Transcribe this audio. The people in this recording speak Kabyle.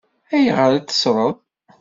Ayɣer i t-teṣṣṛeḍ?